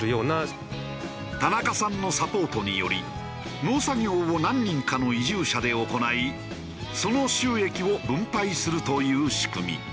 田中さんのサポートにより農作業を何人かの移住者で行いその収益を分配するという仕組み。